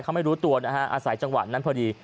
เขาไม่รู้ตัวนะฮะอาศัยจังหวะนั้นพอดี